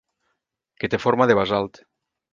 Que té forma de basalt.